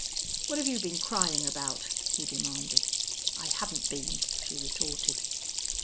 "What've you been crying about?" he demanded. "I haven't been," she retorted.